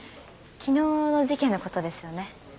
昨日の事件の事ですよね？